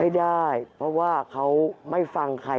ไม่ได้เพราะว่าเขาไม่ฟังใคร